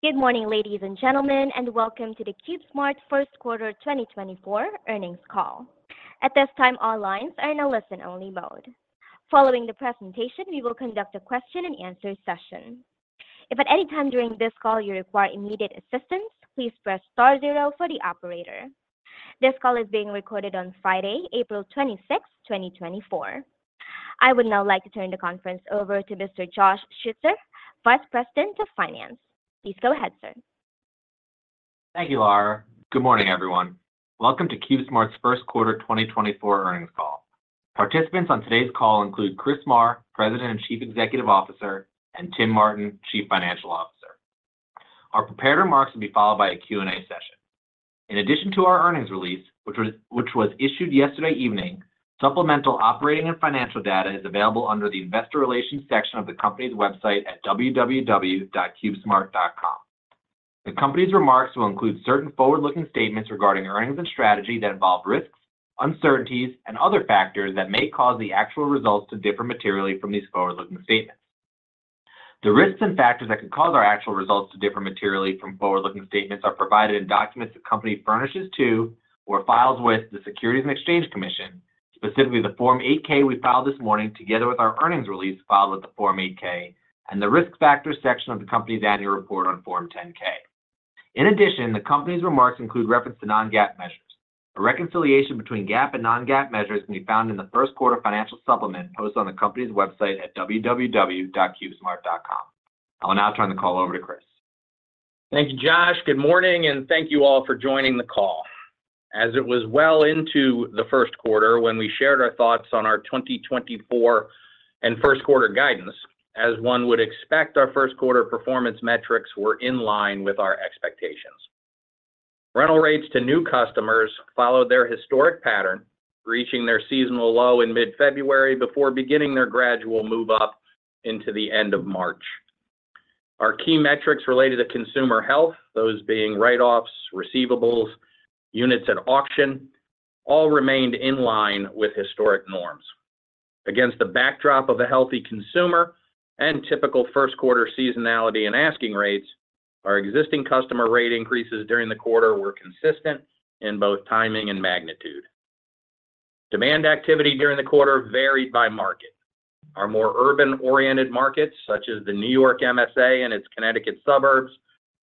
Good morning, ladies and gentlemen, and welcome to the CubeSmart first quarter 2024 earnings call. At this time, all lines are in a listen-only mode. Following the presentation, we will conduct a question-and-answer session. If at any time during this call you require immediate assistance, please press star zero for the operator. This call is being recorded on Friday, April 26, 2024. I would now like to turn the conference over to Mr. Josh Schutzer, Vice President of Finance. Please go ahead, sir. Thank you, Lara. Good morning, everyone. Welcome to CubeSmart's first quarter 2024 earnings call. Participants on today's call include Chris Marr, President and Chief Executive Officer, and Tim Martin, Chief Financial Officer. Our prepared remarks will be followed by a Q&A session. In addition to our earnings release, which was issued yesterday evening, supplemental operating and financial data is available under the Investor Relations section of the company's website at www.cubesmart.com. The company's remarks will include certain forward-looking statements regarding earnings and strategy that involve risks, uncertainties, and other factors that may cause the actual results to differ materially from these forward-looking statements. The risks and factors that could cause our actual results to differ materially from forward-looking statements are provided in documents the company furnishes to or files with the Securities and Exchange Commission, specifically the Form 8-K we filed this morning together with our earnings release filed with the Form 8-K and the Risk Factors section of the company's annual report on Form 10-K. In addition, the company's remarks include reference to non-GAAP measures. A reconciliation between GAAP and non-GAAP measures can be found in the first quarter financial supplement posted on the company's website at www.cubesmart.com. I will now turn the call over to Chris. Thank you, Josh. Good morning, and thank you all for joining the call. As it was well into the first quarter when we shared our thoughts on our 2024 and first quarter guidance, as one would expect, our first quarter performance metrics were in line with our expectations. Rental rates to new customers followed their historic pattern, reaching their seasonal low in mid-February before beginning their gradual move up into the end of March. Our key metrics related to consumer health, those being write-offs, receivables, units at auction, all remained in line with historic norms. Against the backdrop of a healthy consumer and typical first quarter seasonality and asking rates, our existing customer rate increases during the quarter were consistent in both timing and magnitude. Demand activity during the quarter varied by market. Our more urban-oriented markets, such as the New York MSA and its Connecticut suburbs,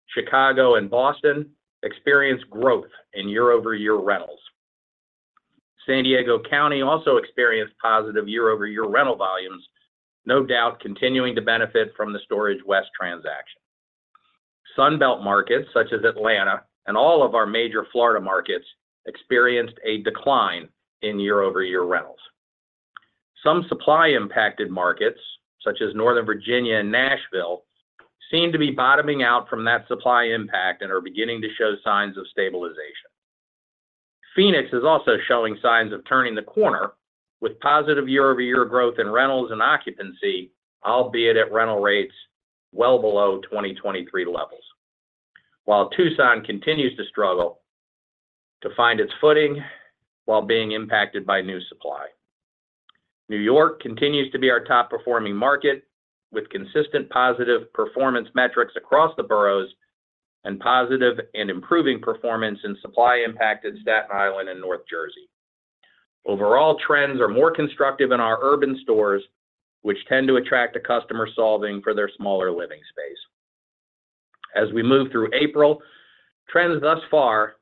Chicago, and Boston, experienced growth in year-over-year rentals. San Diego County also experienced positive year-over-year rental volumes, no doubt continuing to benefit from the Storage West transaction. Sunbelt markets, such as Atlanta and all of our major Florida markets, experienced a decline in year-over-year rentals. Some supply-impacted markets, such as Northern Virginia and Nashville, seem to be bottoming out from that supply impact and are beginning to show signs of stabilization. Phoenix is also showing signs of turning the corner, with positive year-over-year growth in rentals and occupancy, albeit at rental rates well below 2023 levels, while Tucson continues to struggle to find its footing while being impacted by new supply. New York continues to be our top-performing market, with consistent positive performance metrics across the boroughs and positive and improving performance in supply-impacted Staten Island and North Jersey. Overall trends are more constructive in our urban stores, which tend to attract a customer solving for their smaller living space. As we move through April, trends thus far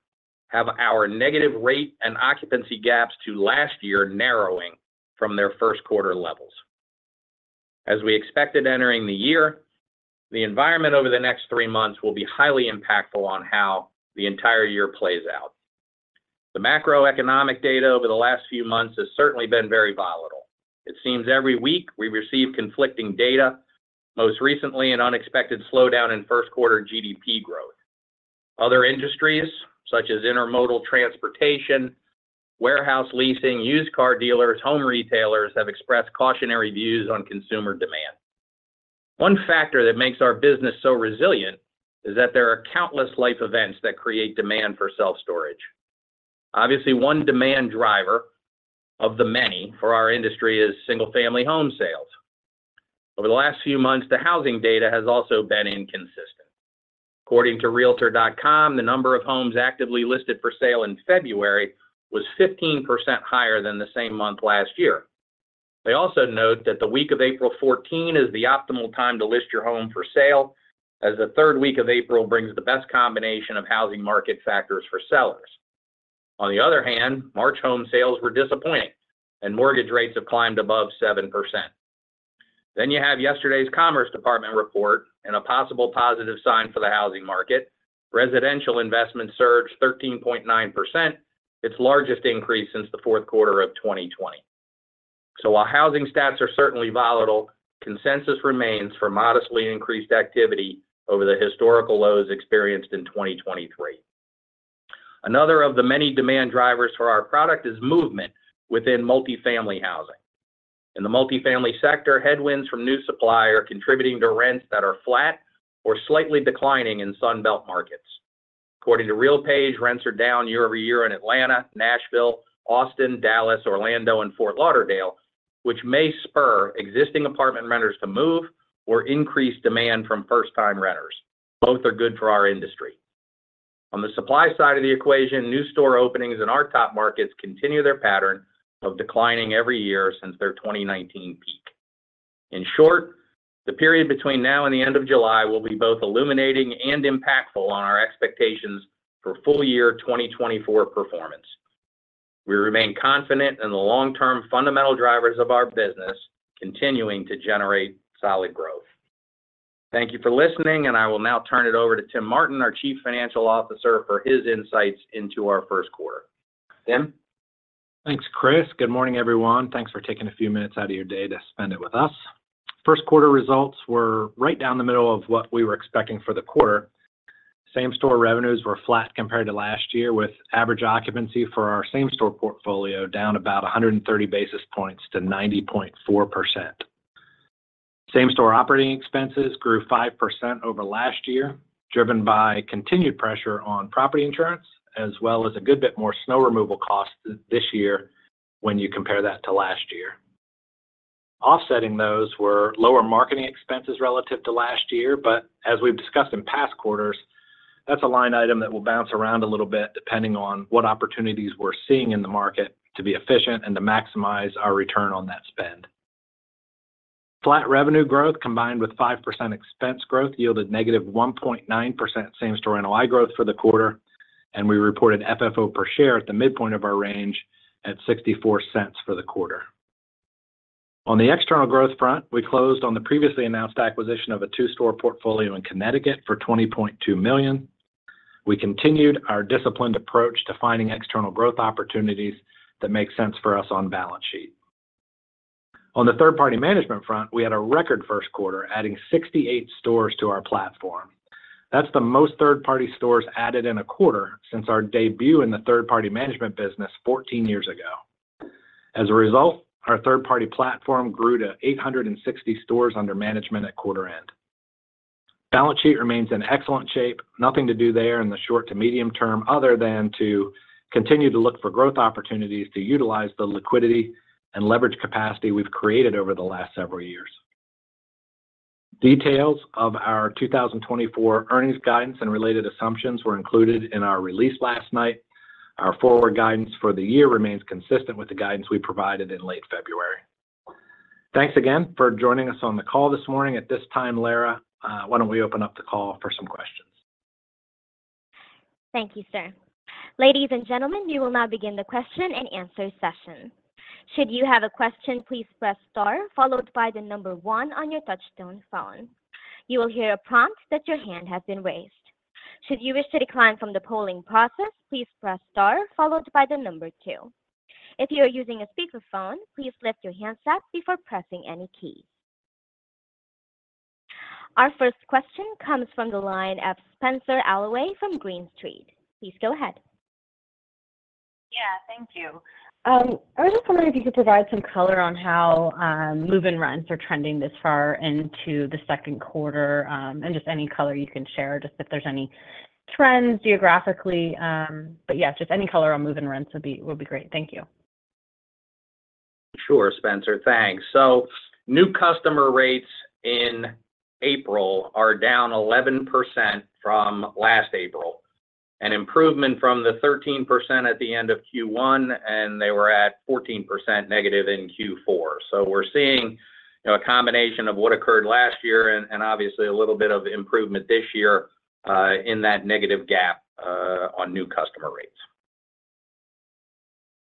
have our negative rate and occupancy gaps to last year narrowing from their first quarter levels. As we expected entering the year, the environment over the next three months will be highly impactful on how the entire year plays out. The macroeconomic data over the last few months has certainly been very volatile. It seems every week we receive conflicting data, most recently an unexpected slowdown in first quarter GDP growth. Other industries, such as intermodal transportation, warehouse leasing, used car dealers, and home retailers, have expressed cautionary views on consumer demand. One factor that makes our business so resilient is that there are countless life events that create demand for self-storage. Obviously, one demand driver of the many for our industry is single-family home sales. Over the last few months, the housing data has also been inconsistent. According to Realtor.com, the number of homes actively listed for sale in February was 15% higher than the same month last year. They also note that the week of April 14 is the optimal time to list your home for sale, as the third week of April brings the best combination of housing market factors for sellers. On the other hand, March home sales were disappointing, and mortgage rates have climbed above 7%. Then you have yesterday's Commerce Department report and a possible positive sign for the housing market: residential investment surged 13.9%, its largest increase since the fourth quarter of 2020. So while housing stats are certainly volatile, consensus remains for modestly increased activity over the historical lows experienced in 2023. Another of the many demand drivers for our product is movement within multifamily housing. In the multifamily sector, headwinds from new supply are contributing to rents that are flat or slightly declining in Sunbelt markets. According to RealPage, rents are down year over year in Atlanta, Nashville, Austin, Dallas, Orlando, and Fort Lauderdale, which may spur existing apartment renters to move or increase demand from first-time renters. Both are good for our industry. On the supply side of the equation, new store openings in our top markets continue their pattern of declining every year since their 2019 peak. In short, the period between now and the end of July will be both illuminating and impactful on our expectations for full-year 2024 performance. We remain confident in the long-term fundamental drivers of our business continuing to generate solid growth. Thank you for listening, and I will now turn it over to Tim Martin, our Chief Financial Officer, for his insights into our first quarter. Tim? Thanks, Chris. Good morning, everyone. Thanks for taking a few minutes out of your day to spend it with us. First quarter results were right down the middle of what we were expecting for the quarter. Same-store revenues were flat compared to last year, with average occupancy for our same-store portfolio down about 130 basis points to 90.4%. Same-store operating expenses grew 5% over last year, driven by continued pressure on property insurance as well as a good bit more snow removal costs this year when you compare that to last year. Offsetting those were lower marketing expenses relative to last year, but as we've discussed in past quarters, that's a line item that will bounce around a little bit depending on what opportunities we're seeing in the market to be efficient and to maximize our return on that spend. Flat revenue growth combined with 5% expense growth yielded -1.9% same-store rental NOI growth for the quarter, and we reported FFO per share at the midpoint of our range at $0.64 for the quarter. On the external growth front, we closed on the previously announced acquisition of a 2-store portfolio in Connecticut for $20.2 million. We continued our disciplined approach to finding external growth opportunities that make sense for us on balance sheet. On the third-party management front, we had a record first quarter adding 68 stores to our platform. That's the most third-party stores added in a quarter since our debut in the third-party management business 14 years ago. As a result, our third-party platform grew to 860 stores under management at quarter end. Balance sheet remains in excellent shape. Nothing to do there in the short to medium term other than to continue to look for growth opportunities to utilize the liquidity and leverage capacity we've created over the last several years. Details of our 2024 earnings guidance and related assumptions were included in our release last night. Our forward guidance for the year remains consistent with the guidance we provided in late February. Thanks again for joining us on the call this morning. At this time, Lara, why don't we open up the call for some questions? Thank you, sir. Ladies and gentlemen, we will now begin the question-and-answer session. Should you have a question, please press star followed by the number one on your touch-tone phone. You will hear a prompt that your hand has been raised. Should you wish to decline from the polling process, please press star followed by the number two. If you are using a speakerphone, please lift your handset up before pressing any key. Our first question comes from the line of Spenser Allaway from Green Street. Please go ahead. Yeah, thank you. I was just wondering if you could provide some color on how move-in rents are trending this far into the second quarter and just any color you can share, just if there's any trends geographically? But yeah, just any color on move-in rents would be great. Thank you. Sure, Spenser. Thanks. So new customer rates in April are down 11% from last April, an improvement from the 13% at the end of Q1, and they were at -14% in Q4. So we're seeing a combination of what occurred last year and obviously a little bit of improvement this year in that negative gap on new customer rates.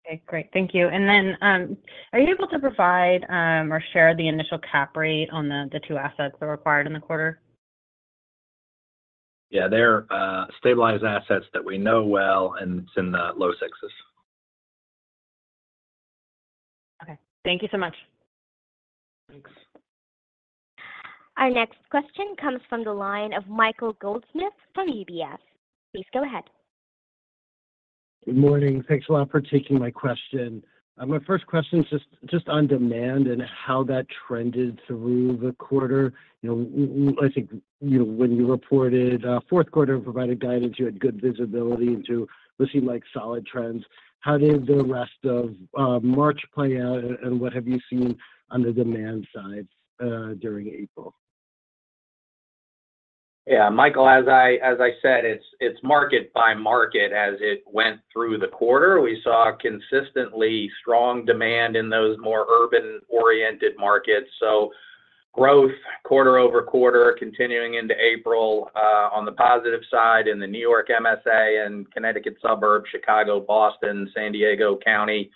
Okay, great. Thank you. And then are you able to provide or share the initial cap rate on the two assets that were acquired in the quarter? Yeah, they're stabilized assets that we know well, and it's in the low sixes. Okay. Thank you so much. Thanks. Our next question comes from the line of Michael Goldsmith from UBS. Please go ahead. Good morning. Thanks a lot for taking my question. My first question is just on demand and how that trended through the quarter. I think when you reported fourth quarter and provided guidance, you had good visibility into what seemed like solid trends. How did the rest of March play out, and what have you seen on the demand side during April? Yeah, Michael, as I said, it's market by market as it went through the quarter. We saw consistently strong demand in those more urban-oriented markets. So growth quarter-over-quarter continuing into April on the positive side in the New York MSA and Connecticut suburbs, Chicago, Boston, San Diego County,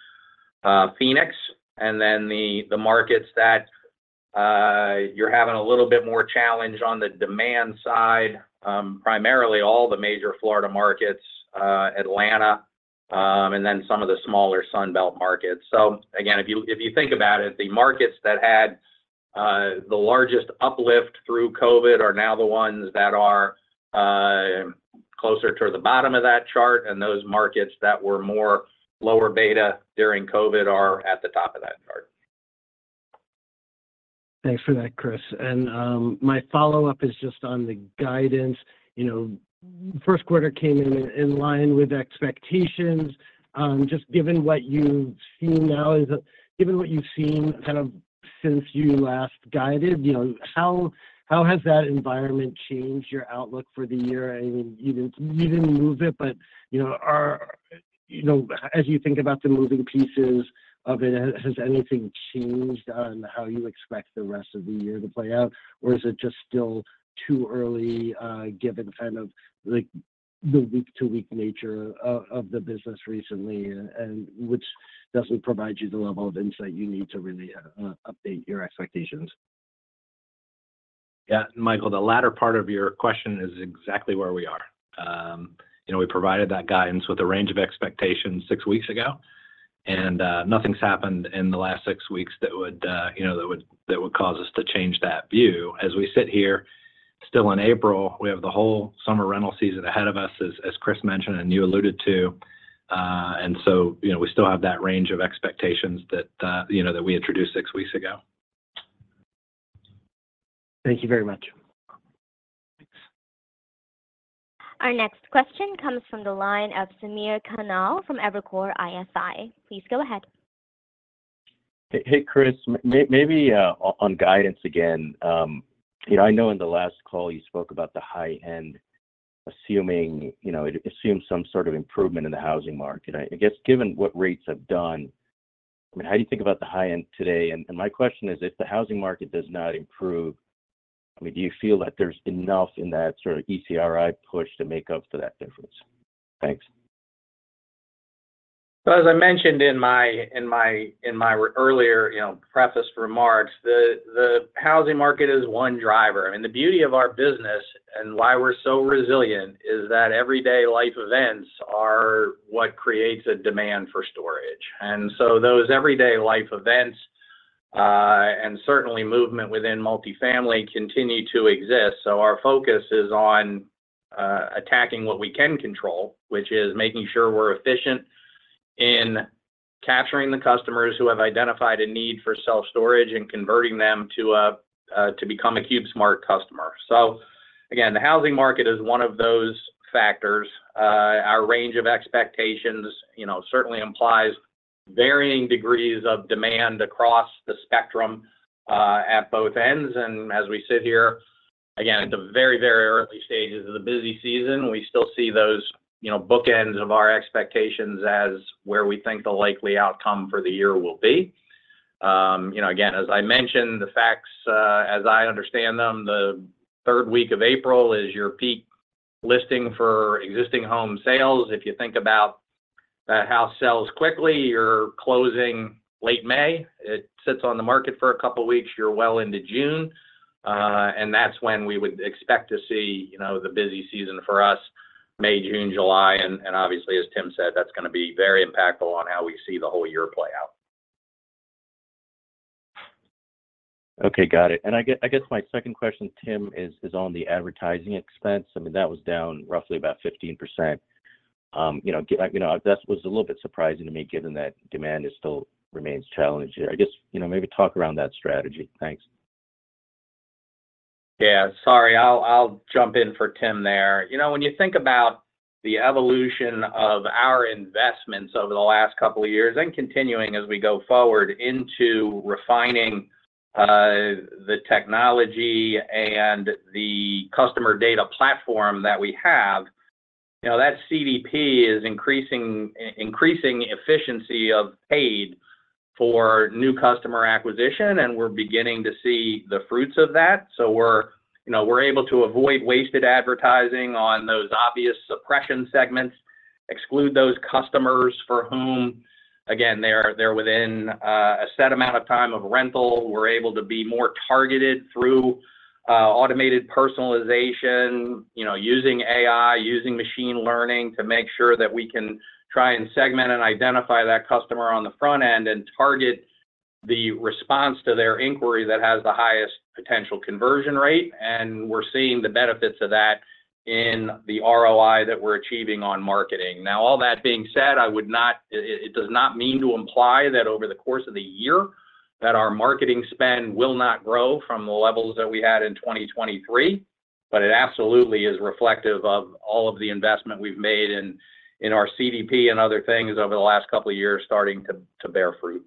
Phoenix, and then the markets that you're having a little bit more challenge on the demand side, primarily all the major Florida markets, Atlanta, and then some of the smaller Sunbelt markets. So again, if you think about it, the markets that had the largest uplift through COVID are now the ones that are closer to the bottom of that chart, and those markets that were more lower beta during COVID are at the top of that chart. Thanks for that, Chris. My follow-up is just on the guidance. First quarter came in line with expectations. Just given what you've seen kind of since you last guided, how has that environment changed your outlook for the year? I mean, you didn't move it, but as you think about the moving pieces of it, has anything changed on how you expect the rest of the year to play out, or is it just still too early given kind of the week-to-week nature of the business recently, which doesn't provide you the level of insight you need to really update your expectations? Yeah, Michael, the latter part of your question is exactly where we are. We provided that guidance with a range of expectations six weeks ago, and nothing's happened in the last six weeks that would cause us to change that view. As we sit here, still in April, we have the whole summer rental season ahead of us, as Chris mentioned and you alluded to. So we still have that range of expectations that we introduced six weeks ago. Thank you very much. Thanks. Our next question comes from the line of Samir Khanal from Evercore ISI. Please go ahead. Hey, Chris. Maybe on guidance again. I know in the last call you spoke about the high-end assuming it assumes some sort of improvement in the housing market. I guess given what rates have done, I mean, how do you think about the high-end today? And my question is, if the housing market does not improve, I mean, do you feel that there's enough in that sort of ECRI push to make up for that difference? Thanks. Well, as I mentioned in my earlier preface remarks, the housing market is one driver. I mean, the beauty of our business and why we're so resilient is that everyday life events are what creates a demand for storage. And so those everyday life events and certainly movement within multifamily continue to exist. So our focus is on attacking what we can control, which is making sure we're efficient in capturing the customers who have identified a need for self-storage and converting them to become a CubeSmart customer. So again, the housing market is one of those factors. Our range of expectations certainly implies varying degrees of demand across the spectrum at both ends. And as we sit here, again, at the very, very early stages of the busy season, we still see those bookends of our expectations as where we think the likely outcome for the year will be. Again, as I mentioned, the facts, as I understand them, the third week of April is your peak listing for existing home sales. If you think about how sells quickly, you're closing late May. It sits on the market for a couple of weeks. You're well into June. And that's when we would expect to see the busy season for us: May, June, July. And obviously, as Tim said, that's going to be very impactful on how we see the whole year play out. Okay, got it. And I guess my second question, Tim, is on the advertising expense. I mean, that was down roughly about 15%. That was a little bit surprising to me given that demand still remains challenging. I guess maybe talk around that strategy. Thanks. Yeah, sorry. I'll jump in for Tim there. When you think about the evolution of our investments over the last couple of years and continuing as we go forward into refining the technology and the customer data platform that we have, that CDP is increasing efficiency of paid for new customer acquisition, and we're beginning to see the fruits of that. So we're able to avoid wasted advertising on those obvious suppression segments, exclude those customers for whom, again, they're within a set amount of time of rental. We're able to be more targeted through automated personalization, using AI, using machine learning to make sure that we can try and segment and identify that customer on the front end and target the response to their inquiry that has the highest potential conversion rate. And we're seeing the benefits of that in the ROI that we're achieving on marketing. Now, all that being said, it does not mean to imply that over the course of the year, that our marketing spend will not grow from the levels that we had in 2023, but it absolutely is reflective of all of the investment we've made in our CDP and other things over the last couple of years starting to bear fruit.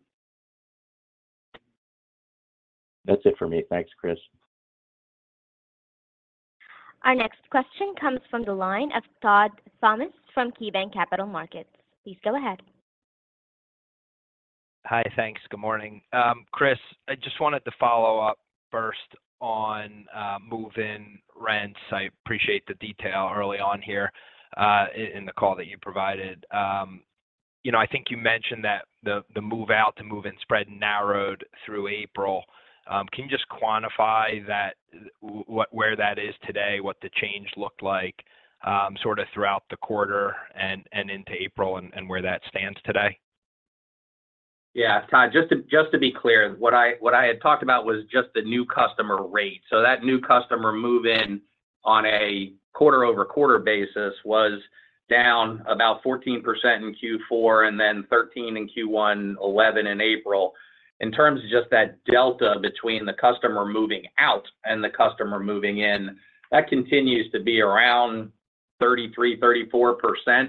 That's it for me. Thanks, Chris. Our next question comes from the line of Todd Thomas from KeyBanc Capital Markets. Please go ahead. Hi, thanks. Good morning. Chris, I just wanted to follow up first on move-in rents. I appreciate the detail early on here in the call that you provided. I think you mentioned that the move-out to move-in spread narrowed through April. Can you just quantify where that is today, what the change looked like sort of throughout the quarter and into April, and where that stands today? Yeah, Todd, just to be clear, what I had talked about was just the new customer rate. So that new customer move-in on a quarter-over-quarter basis was down about 14% in Q4 and then 13% in Q1, 11% in April. In terms of just that delta between the customer moving out and the customer moving in, that continues to be around 33%-34%,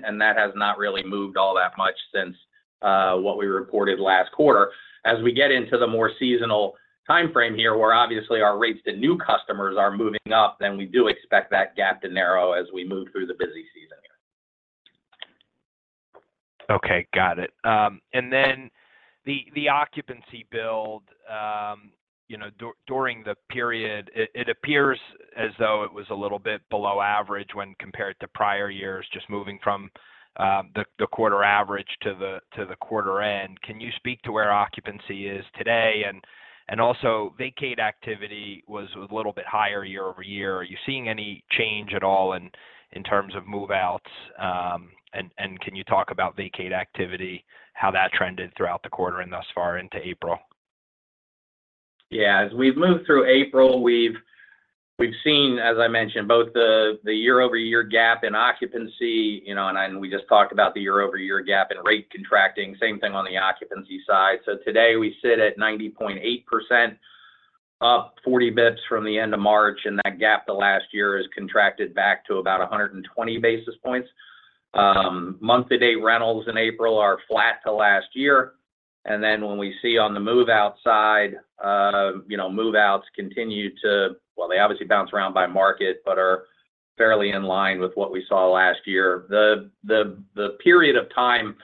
and that has not really moved all that much since what we reported last quarter. As we get into the more seasonal time frame here, where obviously our rates to new customers are moving up, then we do expect that gap to narrow as we move through the busy season here. Okay, got it. And then the occupancy build during the period, it appears as though it was a little bit below average when compared to prior years, just moving from the quarter average to the quarter end. Can you speak to where occupancy is today? And also, vacate activity was a little bit higher year-over-year. Are you seeing any change at all in terms of move-outs? And can you talk about vacate activity, how that trended throughout the quarter and thus far into April? Yeah, as we've moved through April, we've seen, as I mentioned, both the year-over-year gap in occupancy, and we just talked about the year-over-year gap in rate contracting, same thing on the occupancy side. So today, we sit at 90.8%, up 40 basis points from the end of March, and that gap the last year has contracted back to about 120 basis points. Month-to-date rentals in April are flat to last year. And then when we see on the move-out side, move-outs continue to, well, they obviously bounce around by market, but are fairly in line with what we saw last year. The period of time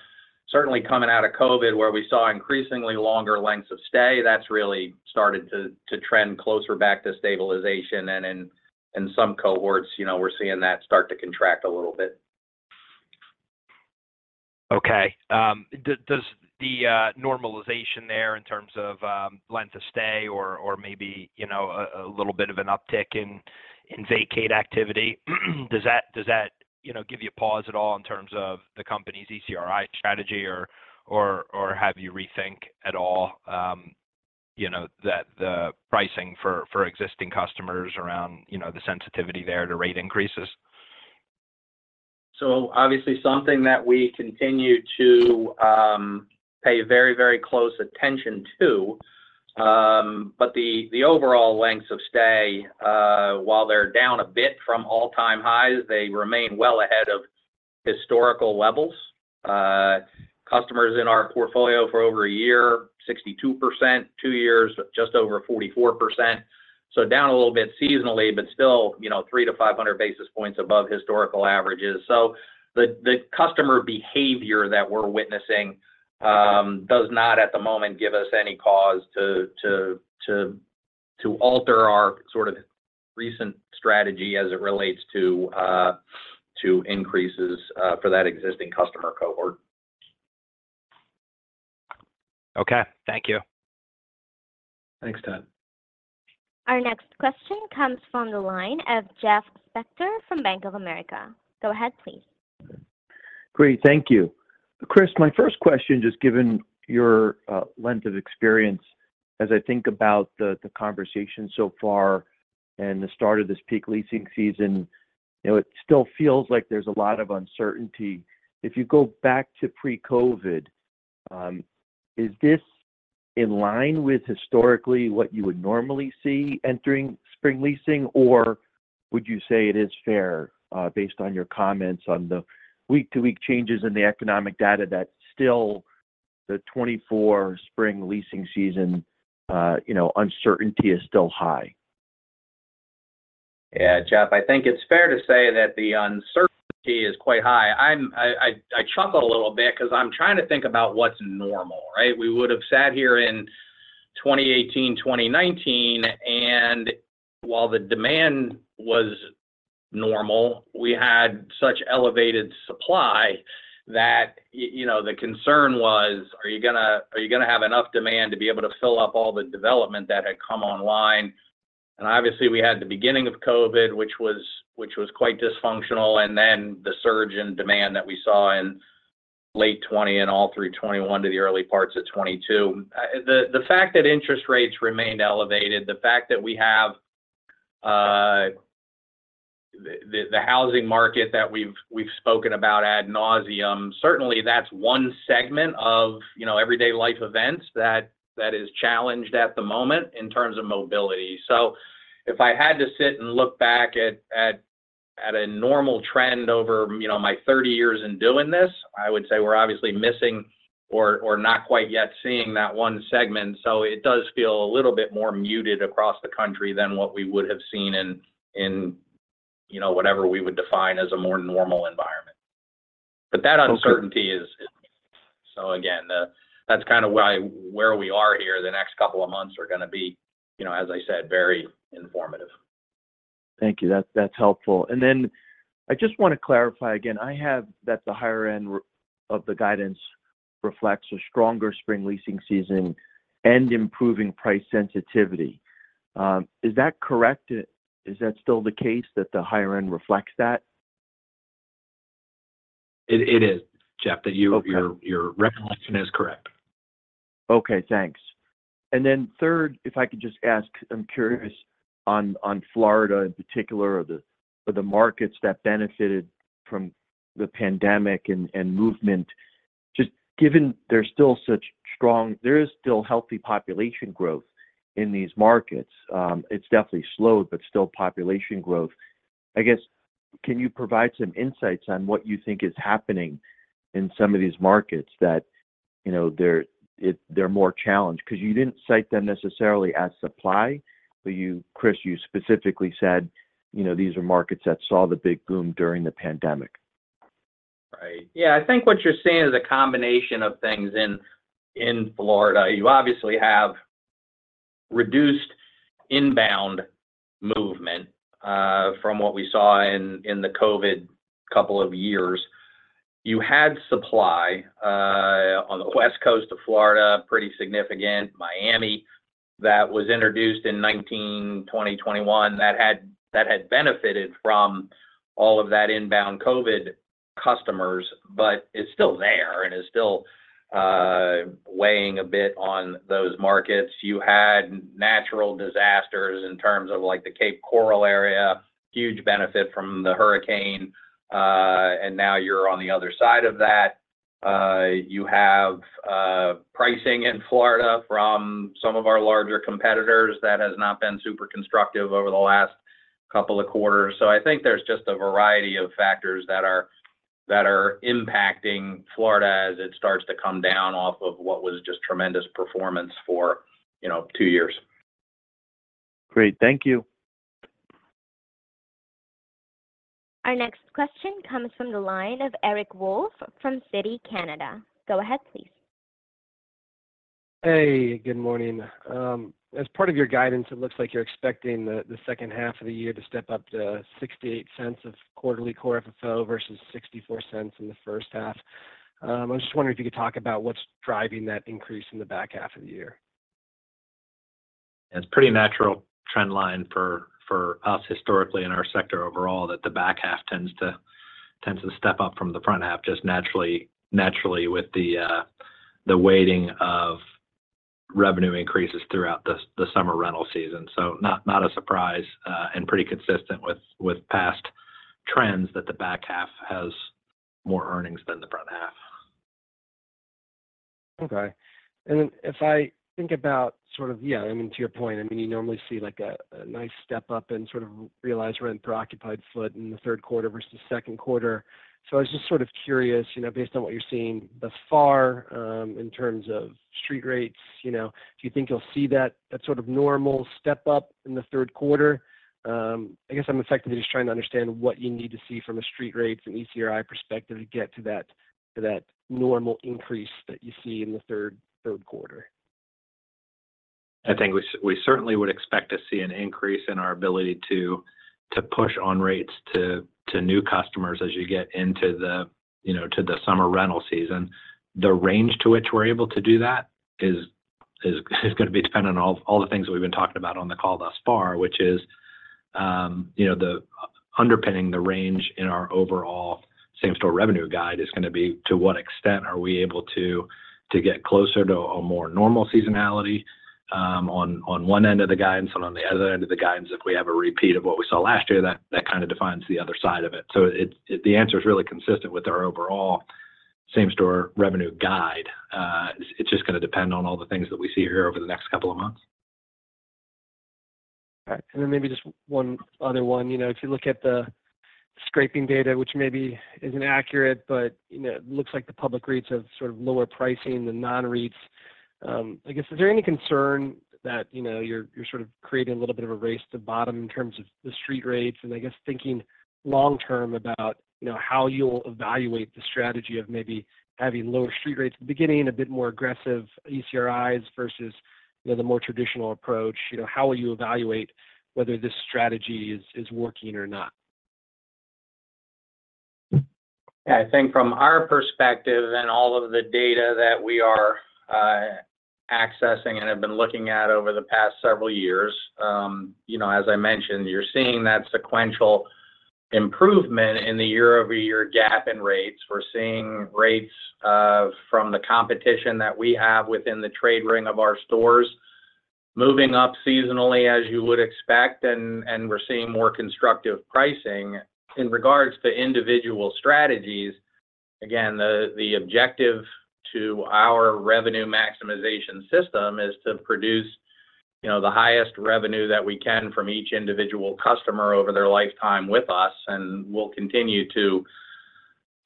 certainly coming out of COVID where we saw increasingly longer lengths of stay, that's really started to trend closer back to stabilization. And in some cohorts, we're seeing that start to contract a little bit. Okay. Does the normalization there in terms of length of stay or maybe a little bit of an uptick in vacate activity, does that give you pause at all in terms of the company's ECRI strategy, or have you rethink at all the pricing for existing customers around the sensitivity there to rate increases? So obviously, something that we continue to pay very, very close attention to. But the overall lengths of stay, while they're down a bit from all-time highs, they remain well ahead of historical levels. Customers in our portfolio for over a year, 62%; two years, just over 44%. So down a little bit seasonally, but still 3-500 basis points above historical averages. So the customer behavior that we're witnessing does not, at the moment, give us any cause to alter our sort of recent strategy as it relates to increases for that existing customer cohort. Okay. Thank you. Thanks, Todd. Our next question comes from the line of Jeff Spector from Bank of America. Go ahead, please. Great. Thank you. Chris, my first question, just given your length of experience as I think about the conversation so far and the start of this peak leasing season, it still feels like there's a lot of uncertainty. If you go back to pre-COVID, is this in line with historically what you would normally see entering spring leasing, or would you say it is fair based on your comments on the week-to-week changes in the economic data that still the 2024 spring leasing season uncertainty is still high? Yeah, Jeff, I think it's fair to say that the uncertainty is quite high. I chuckle a little bit because I'm trying to think about what's normal, right? We would have sat here in 2018, 2019, and while the demand was normal, we had such elevated supply that the concern was, are you going to have enough demand to be able to fill up all the development that had come online? And obviously, we had the beginning of COVID, which was quite dysfunctional, and then the surge in demand that we saw in late 2020 and all through 2021 to the early parts of 2022. The fact that interest rates remained elevated, the fact that we have the housing market that we've spoken about ad nauseam, certainly, that's one segment of everyday life events that is challenged at the moment in terms of mobility. So if I had to sit and look back at a normal trend over my 30 years in doing this, I would say we're obviously missing or not quite yet seeing that one segment. So it does feel a little bit more muted across the country than what we would have seen in whatever we would define as a more normal environment. But that uncertainty is so again, that's kind of where we are here. The next couple of months are going to be, as I said, very informative. Thank you. That's helpful. And then I just want to clarify again. I have that the higher end of the guidance reflects a stronger spring leasing season and improving price sensitivity. Is that correct? Is that still the case that the higher end reflects that? It is, Jeff, that your recollection is correct. Okay, thanks. And then third, if I could just ask, I'm curious on Florida in particular or the markets that benefited from the pandemic and movement, just given there is still healthy population growth in these markets. It's definitely slowed, but still population growth. I guess, can you provide some insights on what you think is happening in some of these markets that they're more challenged? Because you didn't cite them necessarily as supply, but Chris, you specifically said, "These are markets that saw the big boom during the pandemic. Right. Yeah, I think what you're saying is a combination of things in Florida. You obviously have reduced inbound movement from what we saw in the COVID couple of years. You had supply on the West Coast of Florida, pretty significant. Miami that was introduced in 2019, 2020, 2021, that had benefited from all of that inbound COVID customers, but it's still there and is still weighing a bit on those markets. You had natural disasters in terms of the Cape Coral area, huge benefit from the hurricane, and now you're on the other side of that. You have pricing in Florida from some of our larger competitors that has not been super constructive over the last couple of quarters. So I think there's just a variety of factors that are impacting Florida as it starts to come down off of what was just tremendous performance for two years. Great. Thank you. Our next question comes from the line of Eric Wolfe from Citi. Go ahead, please. Hey, good morning. As part of your guidance, it looks like you're expecting the second half of the year to step up to $0.68 of quarterly core FFO versus $0.64 in the first half. I was just wondering if you could talk about what's driving that increase in the back half of the year? It's a pretty natural trend line for us historically in our sector overall that the back half tends to step up from the front half just naturally with the weighting of revenue increases throughout the summer rental season. Not a surprise and pretty consistent with past trends that the back half has more earnings than the front half. Okay. And then if I think about sort of yeah, I mean, to your point, I mean, you normally see a nice step up and sort of realize we're in a preoccupied footprint in the third quarter versus second quarter. So I was just sort of curious, based on what you're seeing thus far in terms of street rates, do you think you'll see that sort of normal step up in the third quarter? I guess I'm effectively just trying to understand what you need to see from a street rates and ECRI perspective to get to that normal increase that you see in the third quarter. I think we certainly would expect to see an increase in our ability to push on rates to new customers as you get into the summer rental season. The range to which we're able to do that is going to be dependent on all the things that we've been talking about on the call thus far, which is underpinning the range in our overall same-store revenue guide is going to be to what extent are we able to get closer to a more normal seasonality on one end of the guidance and on the other end of the guidance if we have a repeat of what we saw last year, that kind of defines the other side of it. So the answer is really consistent with our overall same-store revenue guide. It's just going to depend on all the things that we see here over the next couple of months. Okay. And then maybe just one other one. If you look at the scraping data, which maybe isn't accurate, but it looks like the public rates have sort of lower pricing than non-REITs. I guess, is there any concern that you're sort of creating a little bit of a race to the bottom in terms of the street rates? And I guess thinking long-term about how you'll evaluate the strategy of maybe having lower street rates at the beginning, a bit more aggressive ECRIs versus the more traditional approach, how will you evaluate whether this strategy is working or not? Yeah, I think from our perspective and all of the data that we are accessing and have been looking at over the past several years, as I mentioned, you're seeing that sequential improvement in the year-over-year gap in rates. We're seeing rates from the competition that we have within the trade ring of our stores moving up seasonally as you would expect, and we're seeing more constructive pricing. In regards to individual strategies, again, the objective to our revenue maximization system is to produce the highest revenue that we can from each individual customer over their lifetime with us. And we'll continue to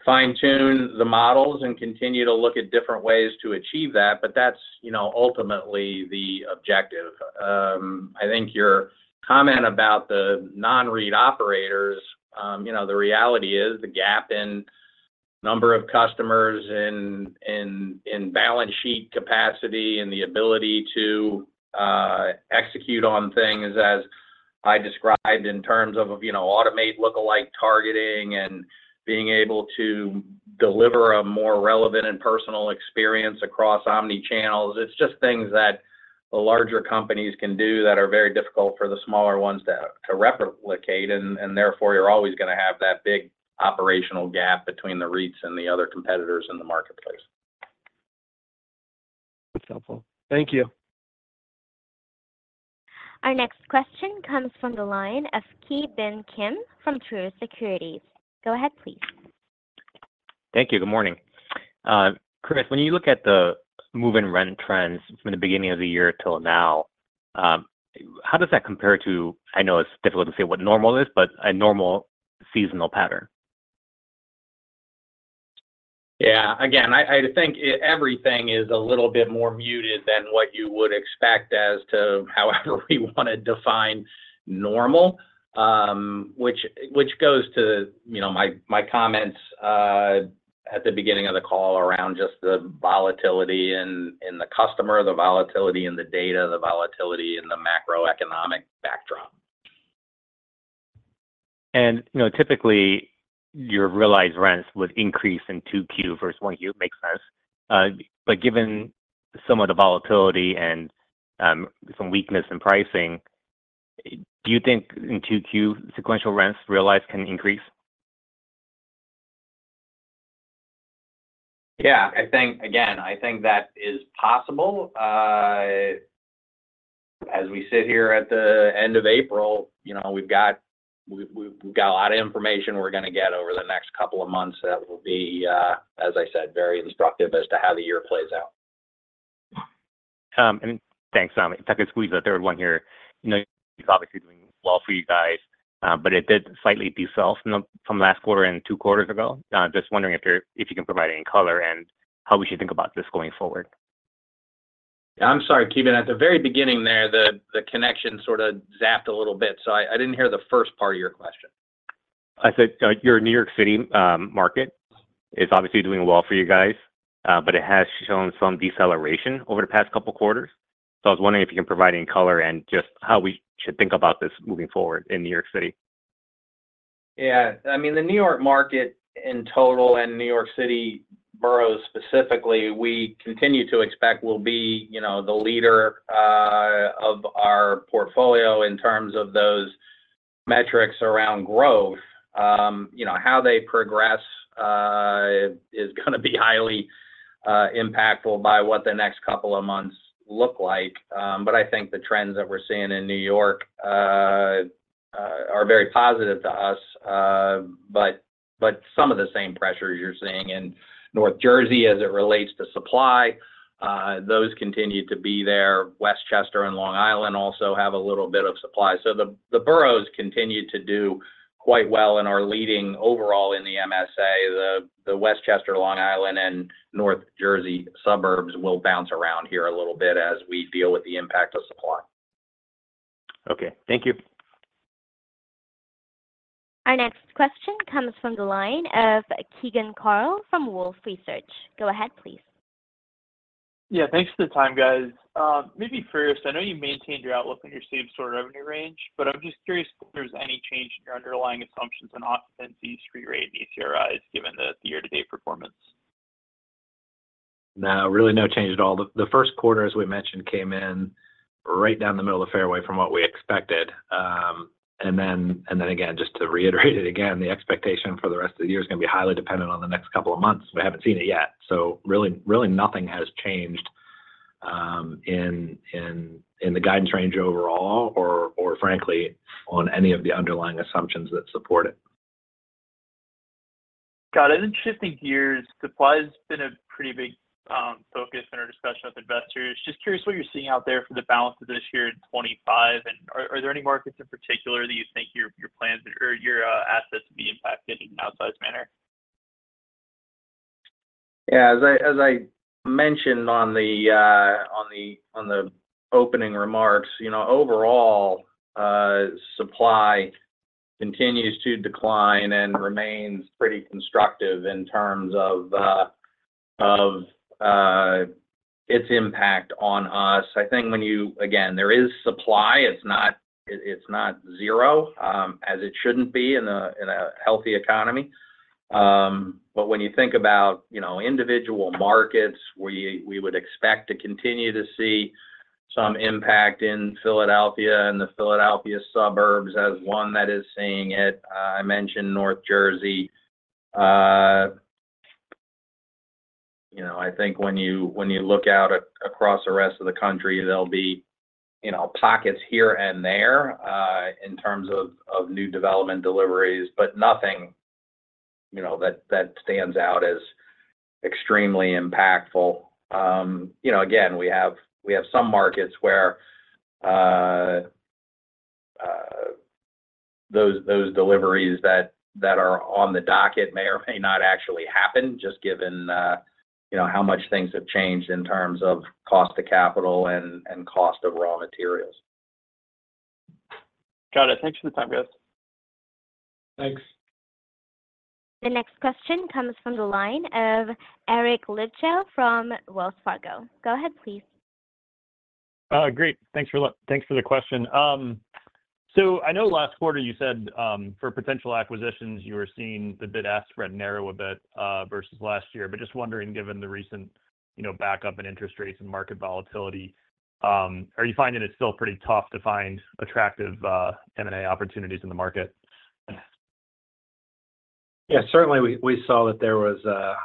fine-tune the models and continue to look at different ways to achieve that, but that's ultimately the objective. I think your comment about the non-REIT operators, the reality is the gap in number of customers in balance sheet capacity and the ability to execute on things, as I described in terms of automated lookalike targeting and being able to deliver a more relevant and personal experience across omnichannels. It's just things that the larger companies can do that are very difficult for the smaller ones to replicate, and therefore, you're always going to have that big operational gap between the REITs and the other competitors in the marketplace. That's helpful. Thank you. Our next question comes from the line of Ki Bin Kim from Truist Securities. Go ahead, please. Thank you. Good morning. Chris, when you look at the move-in rent trends from the beginning of the year till now, how does that compare to, I know it's difficult to say what normal is, but a normal seasonal pattern? Yeah. Again, I think everything is a little bit more muted than what you would expect as to however we want to define normal, which goes to my comments at the beginning of the call around just the volatility in the customer, the volatility in the data, the volatility in the macroeconomic backdrop. Typically, your realized rents would increase in 2Q versus 1Q, makes sense. But given some of the volatility and some weakness in pricing, do you think in 2Q, sequential rents realized can increase? Yeah. Again, I think that is possible. As we sit here at the end of April, we've got a lot of information we're going to get over the next couple of months that will be, as I said, very instructive as to how the year plays out. Thanks, Tim. If I could squeeze the third one here, it's obviously doing well for you guys, but it did slightly do so from last quarter and two quarters ago. Just wondering if you can provide any color and how we should think about this going forward. Yeah, I'm sorry, Ki Bin, at the very beginning there, the connection sort of zapped a little bit, so I didn't hear the first part of your question. I said your New York City market is obviously doing well for you guys, but it has shown some deceleration over the past couple of quarters. I was wondering if you can provide any color and just how we should think about this moving forward in New York City. Yeah. I mean, the New York market in total and New York City boroughs specifically, we continue to expect will be the leader of our portfolio in terms of those metrics around growth. How they progress is going to be highly impactful by what the next couple of months look like. But I think the trends that we're seeing in New York are very positive to us, but some of the same pressures you're seeing in North Jersey as it relates to supply, those continue to be there. Westchester and Long Island also have a little bit of supply. So the boroughs continue to do quite well and are leading overall in the MSA. The Westchester, Long Island, and North Jersey suburbs will bounce around here a little bit as we deal with the impact of supply. Okay. Thank you. Our next question comes from the line of Keegan Carl from Wolfe Research. Go ahead, please. Yeah, thanks for the time, guys. Maybe first, I know you maintained your outlook on your same-store revenue range, but I'm just curious if there's any change in your underlying assumptions on occupancy street rate and ECRIs given the year-to-date performance? No, really no change at all. The first quarter, as we mentioned, came in right down the middle of the fairway from what we expected. Then again, just to reiterate it again, the expectation for the rest of the year is going to be highly dependent on the next couple of months. We haven't seen it yet. Really nothing has changed in the guidance range overall or frankly, on any of the underlying assumptions that support it. Got it. Interesting gears. Supply has been a pretty big focus in our discussion with investors. Just curious what you're seeing out there for the balance of this year in 2025, and are there any markets in particular that you think your plans or your assets will be impacted in an outsized manner? Yeah. As I mentioned on the opening remarks, overall, supply continues to decline and remains pretty constructive in terms of its impact on us. I think when you again, there is supply. It's not zero as it shouldn't be in a healthy economy. But when you think about individual markets, we would expect to continue to see some impact in Philadelphia and the Philadelphia suburbs as one that is seeing it. I mentioned North Jersey. I think when you look out across the rest of the country, there'll be pockets here and there in terms of new development deliveries, but nothing that stands out as extremely impactful. Again, we have some markets where those deliveries that are on the docket may or may not actually happen just given how much things have changed in terms of cost of capital and cost of raw materials. Got it. Thanks for the time, guys. Thanks. The next question comes from the line of Eric Luebchow from Wells Fargo. Go ahead, please. Great. Thanks for the question. So I know last quarter you said for potential acquisitions, you were seeing the bid-ask spread narrow a bit versus last year. But just wondering, given the recent backup in interest rates and market volatility, are you finding it's still pretty tough to find attractive M&A opportunities in the market? Yeah, certainly, we saw that there was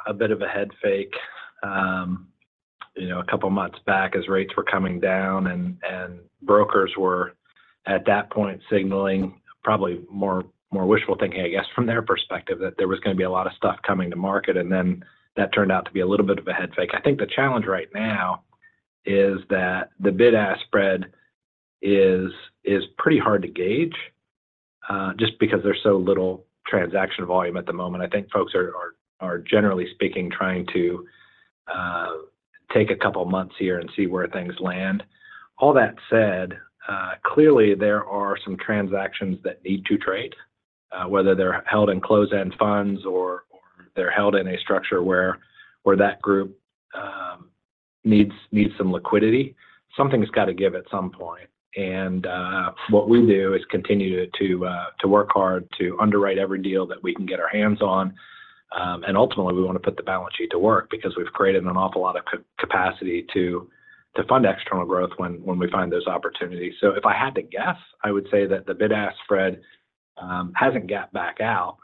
a bit of a headfake a couple of months back as rates were coming down and brokers were at that point signaling probably more wishful thinking, I guess, from their perspective that there was going to be a lot of stuff coming to market. And then that turned out to be a little bit of a headfake. I think the challenge right now is that the bid-ask spread is pretty hard to gauge just because there's so little transaction volume at the moment. I think folks are, generally speaking, trying to take a couple of months here and see where things land. All that said, clearly, there are some transactions that need to trade, whether they're held in close-end funds or they're held in a structure where that group needs some liquidity. Something's got to give at some point. What we do is continue to work hard to underwrite every deal that we can get our hands on. Ultimately, we want to put the balance sheet to work because we've created an awful lot of capacity to fund external growth when we find those opportunities. If I had to guess, I would say that the bid-ask spread hasn't gapped back out,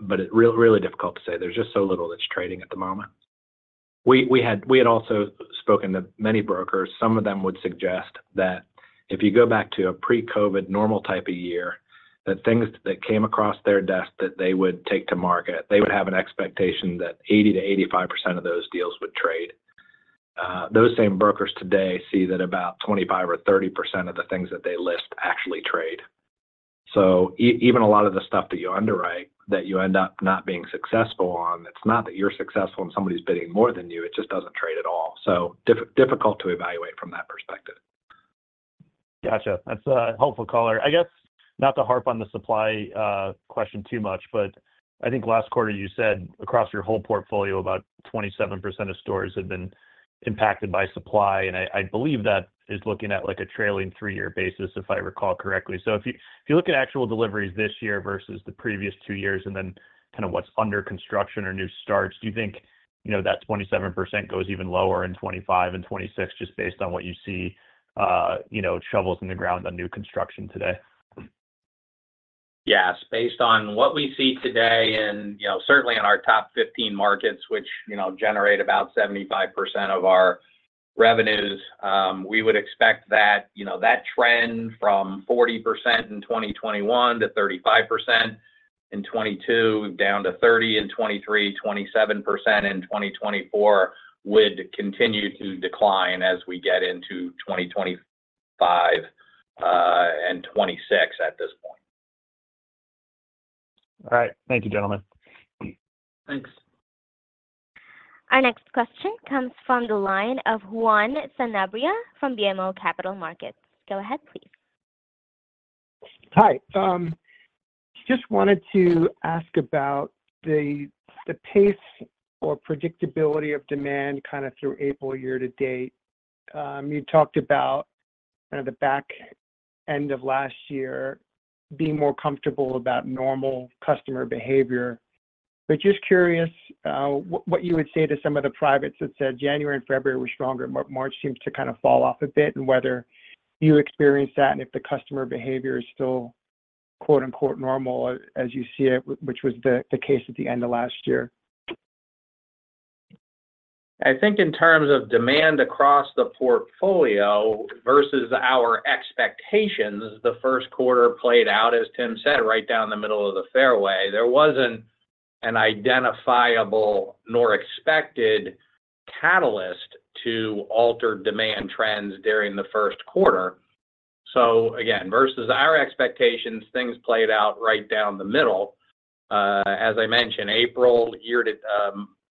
but it's really difficult to say. There's just so little that's trading at the moment. We had also spoken to many brokers. Some of them would suggest that if you go back to a pre-COVID normal type of year, that things that came across their desk that they would take to market, they would have an expectation that 80%-85% of those deals would trade. Those same brokers today see that about 25% or 30% of the things that they list actually trade. So even a lot of the stuff that you underwrite that you end up not being successful on, it's not that you're successful and somebody's bidding more than you. It just doesn't trade at all. So difficult to evaluate from that perspective. Gotcha. That's a helpful color. I guess not to harp on the supply question too much, but I think last quarter, you said across your whole portfolio, about 27% of stores had been impacted by supply. And I believe that is looking at a trailing three-year basis, if I recall correctly. So if you look at actual deliveries this year versus the previous two years and then kind of what's under construction or new starts, do you think that 27% goes even lower in 2025 and 2026 just based on what you see shovels in the ground on new construction today? Yes. Based on what we see today, and certainly in our top 15 markets, which generate about 75% of our revenues, we would expect that trend from 40% in 2021 to 35% in 2022, down to 30% in 2023, 27% in 2024, would continue to decline as we get into 2025 and 2026 at this point. All right. Thank you, gentlemen. Thanks. Our next question comes from the line of Juan Sanabria from BMO Capital Markets. Go ahead, please. Hi. Just wanted to ask about the pace or predictability of demand kind of through April year-to-date. You talked about kind of the back end of last year being more comfortable about normal customer behavior. But just curious what you would say to some of the privates that said January and February were stronger, March seems to kind of fall off a bit, and whether you experience that and if the customer behavior is still "normal" as you see it, which was the case at the end of last year. I think in terms of demand across the portfolio versus our expectations, the first quarter played out, as Tim said, right down the middle of the fairway. There wasn't an identifiable nor expected catalyst to alter demand trends during the first quarter. So again, versus our expectations, things played out right down the middle. As I mentioned, April,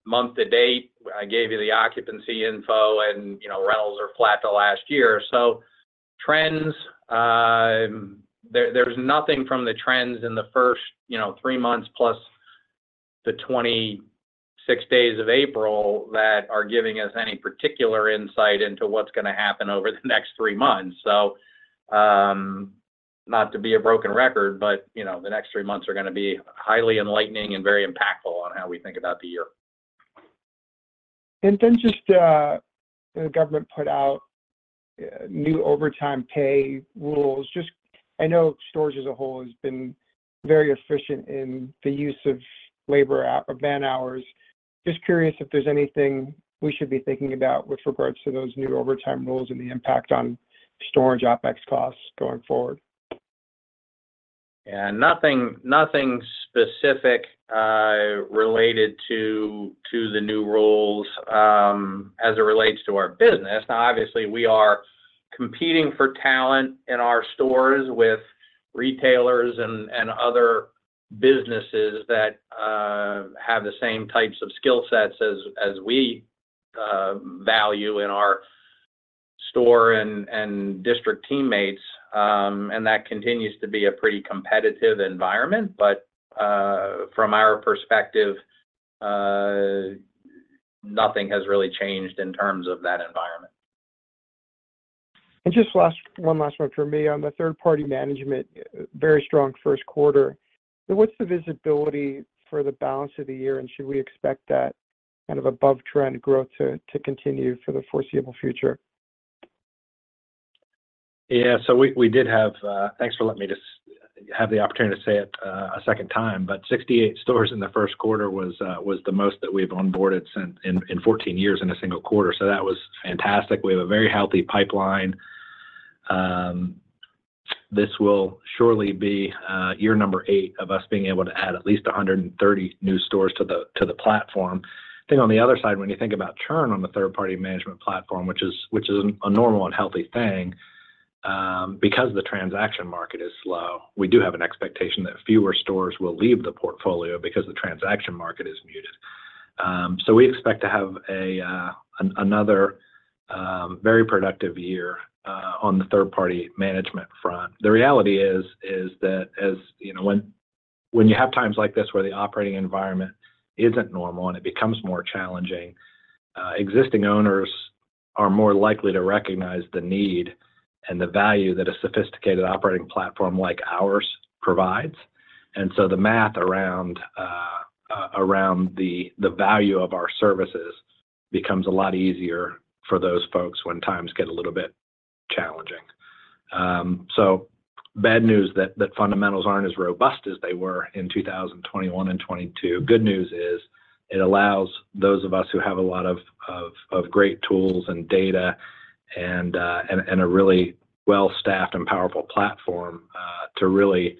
month-to-date, I gave you the occupancy info, and rentals are flat to last year. So trends, there's nothing from the trends in the first three months plus the 26 days of April that are giving us any particular insight into what's going to happen over the next three months. So not to be a broken record, but the next three months are going to be highly enlightening and very impactful on how we think about the year. Then just the government put out new overtime pay rules. I know stores as a whole has been very efficient in the use of man-hours. Just curious if there's anything we should be thinking about with regards to those new overtime rules and the impact on storage OpEx costs going forward. Yeah, nothing specific related to the new rules as it relates to our business. Now, obviously, we are competing for talent in our stores with retailers and other businesses that have the same types of skill sets as we value in our store and district teammates. That continues to be a pretty competitive environment. From our perspective, nothing has really changed in terms of that environment. Just one last one for me. On the third-party management, very strong first quarter. What's the visibility for the balance of the year, and should we expect that kind of above-trend growth to continue for the foreseeable future? Yeah. So we did have thanks for letting me have the opportunity to say it a second time. But 68 stores in the first quarter was the most that we've onboarded in 14 years in a single quarter. So that was fantastic. We have a very healthy pipeline. This will surely be year number eight of us being able to add at least 130 new stores to the platform. I think on the other side, when you think about churn on the third-party management platform, which is a normal and healthy thing, because the transaction market is slow, we do have an expectation that fewer stores will leave the portfolio because the transaction market is muted. So we expect to have another very productive year on the third-party management front. The reality is that when you have times like this where the operating environment isn't normal and it becomes more challenging, existing owners are more likely to recognize the need and the value that a sophisticated operating platform like ours provides. And so the math around the value of our services becomes a lot easier for those folks when times get a little bit challenging. So bad news is that fundamentals aren't as robust as they were in 2021 and 2022. Good news is it allows those of us who have a lot of great tools and data and a really well-staffed and powerful platform to really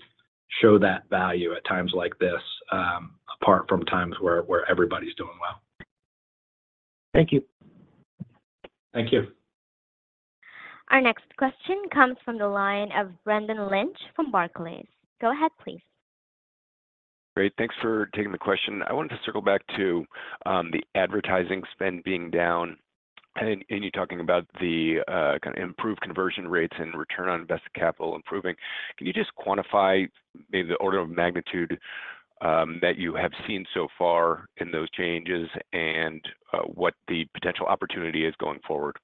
show that value at times like this, apart from times where everybody's doing well. Thank you. Thank you. Our next question comes from the line of Brendan Lynch from Barclays. Go ahead, please. Great. Thanks for taking the question. I wanted to circle back to the advertising spend being down and you talking about the kind of improved conversion rates and return on invested capital improving. Can you just quantify maybe the order of magnitude that you have seen so far in those changes and what the potential opportunity is going forward?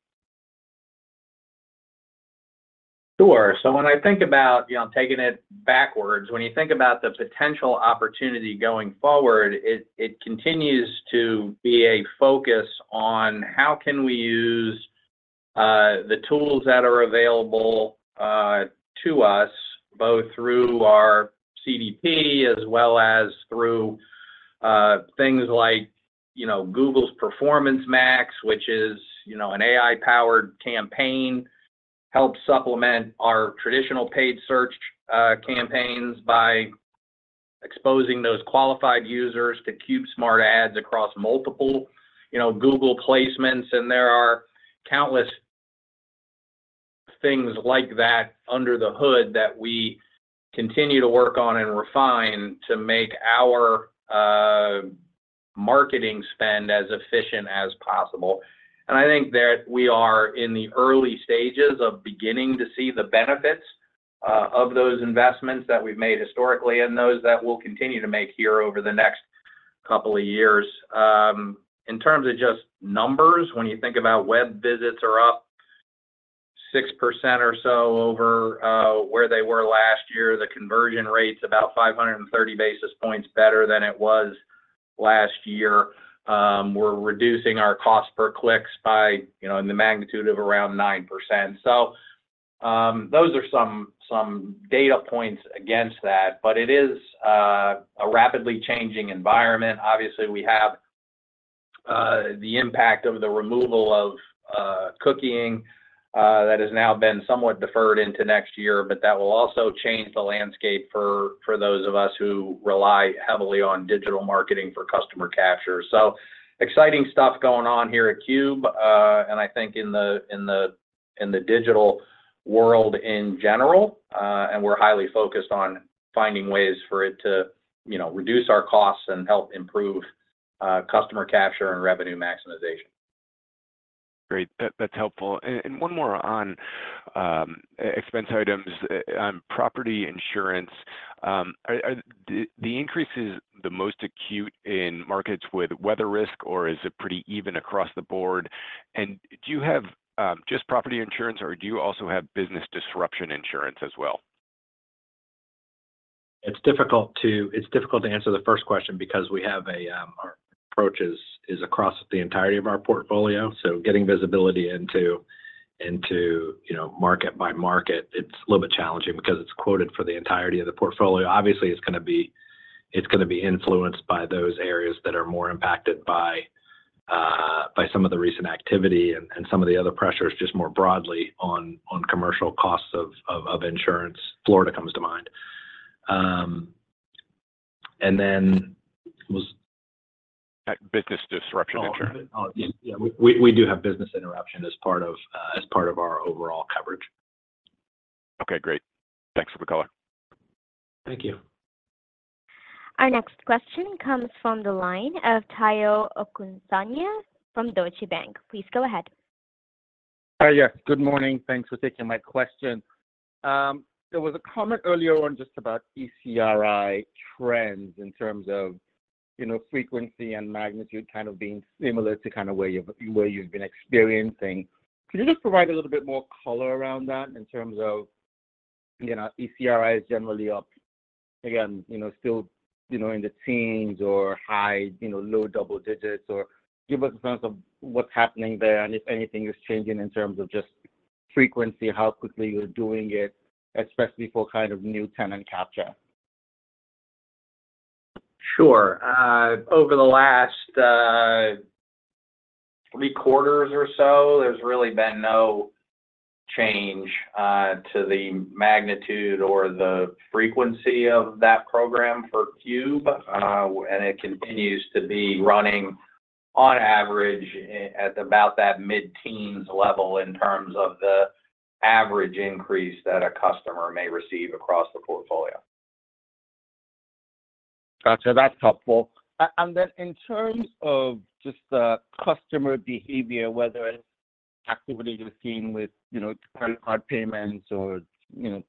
Sure. So when I think about taking it backwards, when you think about the potential opportunity going forward, it continues to be a focus on how can we use the tools that are available to us, both through our CDP as well as through things like Google's Performance Max, which is an AI-powered campaign, helps supplement our traditional paid search campaigns by exposing those qualified users to CubeSmart ads across multiple Google placements. And there are countless things like that under the hood that we continue to work on and refine to make our marketing spend as efficient as possible. And I think that we are in the early stages of beginning to see the benefits of those investments that we've made historically and those that we'll continue to make here over the next couple of years. In terms of just numbers, when you think about web visits are up 6% or so over where they were last year, the conversion rate's about 530 basis points better than it was last year. We're reducing our cost per clicks by in the magnitude of around 9%. So those are some data points against that. But it is a rapidly changing environment. Obviously, we have the impact of the removal of cookies that has now been somewhat deferred into next year, but that will also change the landscape for those of us who rely heavily on digital marketing for customer capture. So exciting stuff going on here at Cube and I think in the digital world in general. And we're highly focused on finding ways for it to reduce our costs and help improve customer capture and revenue maximization. Great. That's helpful. One more on expense items, property insurance. The increase is the most acute in markets with weather risk, or is it pretty even across the board? Do you have just property insurance, or do you also have business disruption insurance as well? It's difficult to answer the first question because our approach is across the entirety of our portfolio. So getting visibility into market by market, it's a little bit challenging because it's quoted for the entirety of the portfolio. Obviously, it's going to be influenced by those areas that are more impacted by some of the recent activity and some of the other pressures just more broadly on commercial costs of insurance. Florida comes to mind. And then was. Business disruption insurance? Yeah. We do have business interruption as part of our overall coverage. Okay. Great. Thanks for the color. Thank you. Our next question comes from the line of Omotayo Okusanya from Deutsche Bank. Please go ahead. Hi, yes. Good morning. Thanks for taking my question. There was a comment earlier on just about ECRI trends in terms of frequency and magnitude kind of being similar to kind of where you've been experiencing. Could you just provide a little bit more color around that in terms of ECRI is generally up, again, still in the teens or high, low double digits, or give us a sense of what's happening there and if anything is changing in terms of just frequency, how quickly you're doing it, especially for kind of new tenant capture? Sure. Over the last three quarters or so, there's really been no change to the magnitude or the frequency of that program for Cube. And it continues to be running, on average, at about that mid-teens level in terms of the average increase that a customer may receive across the portfolio. Gotcha. That's helpful. And then in terms of just the customer behavior, whether it's activity you're seeing with credit card payments or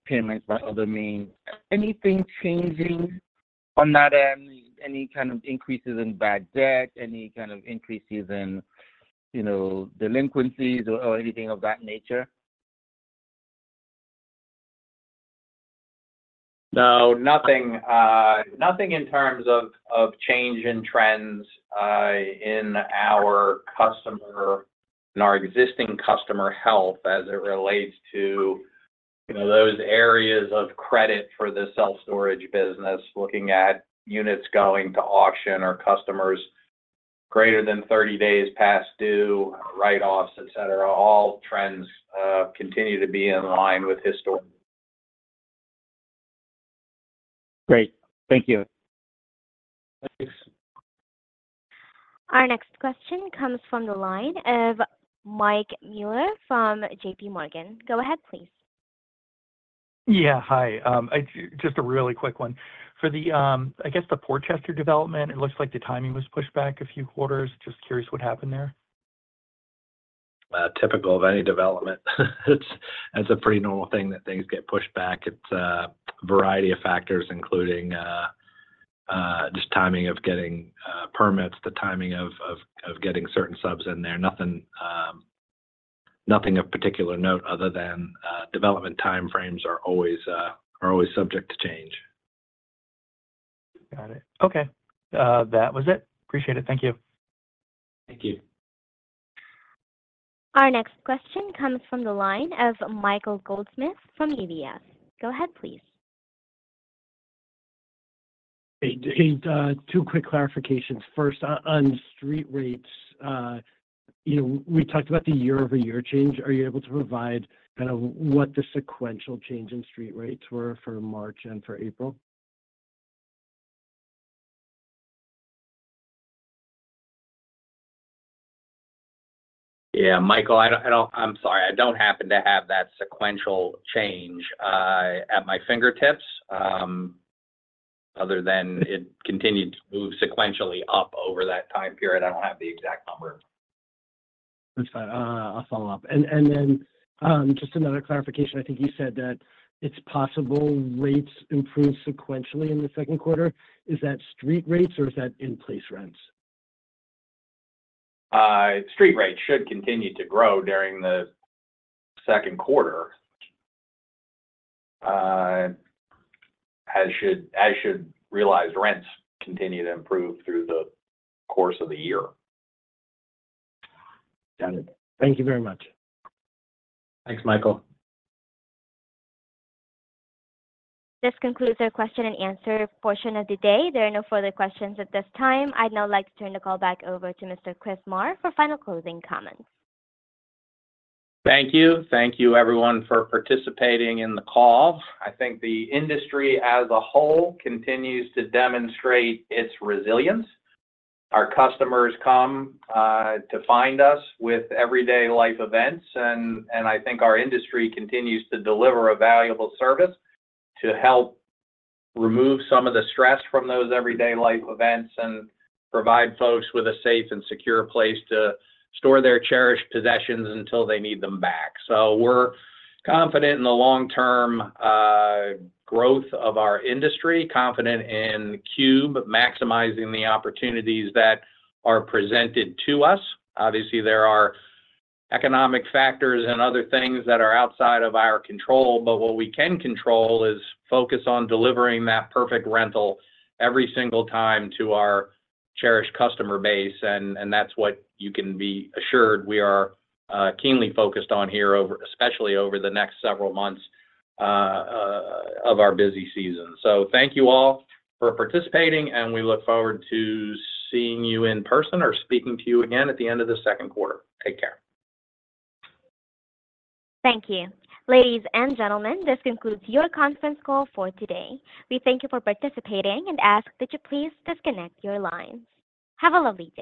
payments by other means, anything changing on that end? Any kind of increases in bad debt, any kind of increases in delinquencies, or anything of that nature? No, nothing in terms of change in trends in our customer and our existing customer health as it relates to those areas of credit for the self-storage business, looking at units going to auction or customers greater than 30 days past due, write-offs, etc. All trends continue to be in line with history. Great. Thank you. Thanks. Our next question comes from the line of Mike Mueller from J.P. Morgan. Go ahead, please. Yeah. Hi. Just a really quick one. I guess the Port Chester development, it looks like the timing was pushed back a few quarters. Just curious what happened there. Typical of any development. It's a pretty normal thing that things get pushed back. It's a variety of factors, including just timing of getting permits, the timing of getting certain subs in there. Nothing of particular note other than development timeframes are always subject to change. Got it. Okay. That was it. Appreciate it. Thank you. Thank you. Our next question comes from the line of Michael Goldsmith from UBS. Go ahead, please. Hey, two quick clarifications. First, on street rates, we talked about the year-over-year change. Are you able to provide kind of what the sequential change in street rates were for March and for April? Yeah, Michael, I'm sorry. I don't happen to have that sequential change at my fingertips other than it continued to move sequentially up over that time period. I don't have the exact number. That's fine. I'll follow up. And then just another clarification. I think you said that it's possible rates improve sequentially in the second quarter. Is that street rates, or is that in-place rents? Street rates should continue to grow during the second quarter as should realized rents continue to improve through the course of the year. Got it. Thank you very much. Thanks, Michael. This concludes our question and answer portion of the day. There are no further questions at this time. I'd now like to turn the call back over to Mr. Chris Marr for final closing comments. Thank you. Thank you, everyone, for participating in the call. I think the industry as a whole continues to demonstrate its resilience. Our customers come to find us with everyday life events. I think our industry continues to deliver a valuable service to help remove some of the stress from those everyday life events and provide folks with a safe and secure place to store their cherished possessions until they need them back. We're confident in the long-term growth of our industry, confident in Cube maximizing the opportunities that are presented to us. Obviously, there are economic factors and other things that are outside of our control, but what we can control is focus on delivering that perfect rental every single time to our cherished customer base. That's what you can be assured we are keenly focused on here, especially over the next several months of our busy season. Thank you all for participating, and we look forward to seeing you in person or speaking to you again at the end of the second quarter. Take care. Thank you. Ladies and gentlemen, this concludes your conference call for today. We thank you for participating and ask that you please disconnect your lines. Have a lovely day.